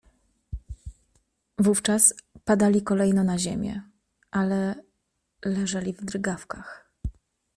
Wówczas padali kolejno na ziemię, ale leżeli w drgawkach.